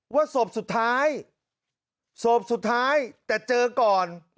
ว่าศพสุดท้ายศพสุดท้ายแต่เจอก่อน